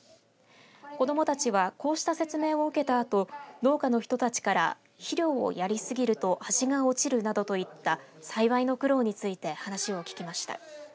子どもたちはこうした説明を受けたあと農家の人たちから肥料をやりすぎると味が落ちるなどといった栽培の苦労について話を聞きました。